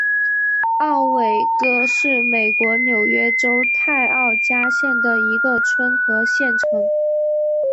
奥韦戈是美国纽约州泰奥加县的一个村和县城。